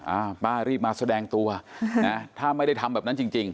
อ่าป้ารีบมาแสดงตัวนะถ้าไม่ได้ทำแบบนั้นจริงจริง